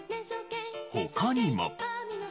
他にも。